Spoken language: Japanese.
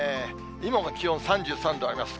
今の気温３３度あります。